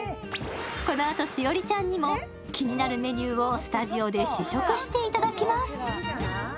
このあと栞里ちゃんにも気になるメニューをスタジオで試食していただきます。